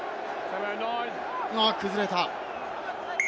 崩れた。